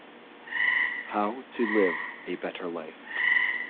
How to live a better life.